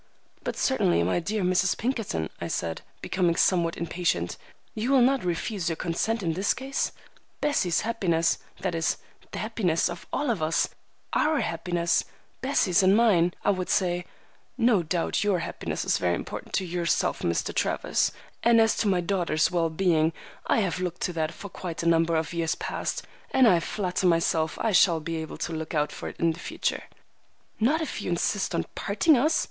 "But certainly, my dear Mrs. Pinkerton," I said, becoming somewhat impatient, "you will not refuse your consent in this case? Bessie's happiness—that is, the happiness of all of us, or—our happiness—Bessie's and mine, I would say—" "No doubt your happiness is very important to yourself, Mr. Travers, and as to my daughter's well being, I have looked to that for quite a number of years past, and I flatter myself I shall be able to look out for it in the future." "Not if you insist on parting us!"